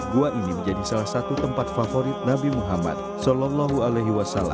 gua ini menjadi salah satu tempat favorit nabi muhammad saw